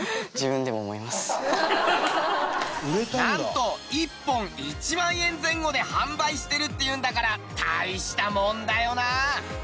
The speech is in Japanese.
なんと１本１万円前後で販売してるっていうんだから大したもんだよな！